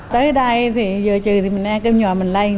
tới đây thì giờ trừ thì mình ăn cơm nhỏ mình lây